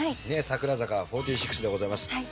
櫻坂４６でございます。